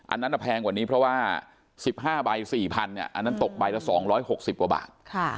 อันนั้นแพงกว่านี้เพราะว่า๑๕ใบ๔๐๐อันนั้นตกใบละ๒๖๐กว่าบาท